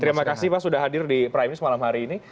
terima kasih pak sudah hadir di prime news malam hari ini